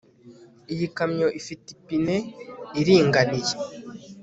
Iyi kamyo ifite ipine iringaniye